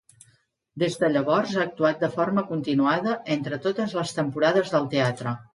Des de llavors ha actuat de forma continuada en totes les temporades del Teatre.